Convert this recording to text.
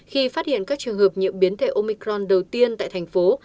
khi phát hiện các trường hợp nhiễm biến thể omicron đầu tiên tại thành phố